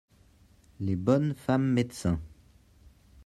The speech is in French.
les bonnes femmes médecins.